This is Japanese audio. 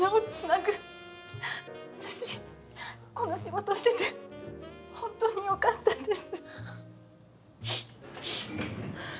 私この仕事してて本当によかったです。